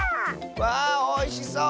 わおいしそう！